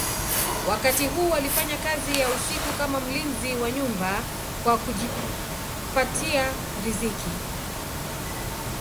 Wakati huu alifanya kazi ya usiku kama mlinzi wa nyumba kwa kujipatia riziki.